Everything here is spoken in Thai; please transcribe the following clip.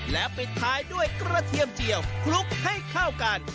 และปิดท้ายด้วยกระเทียมเจียวคลุกให้เข้ากัน